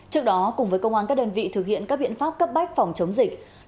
trước đó cùng với công an các đơn vị thực hiện các biện pháp cấp bách phòng chống dịch